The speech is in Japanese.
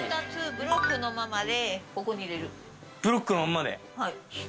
ブロックのまんまで！